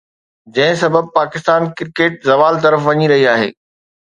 جنهن سبب پاڪستان ڪرڪيٽ زوال طرف وڃي رهي آهي.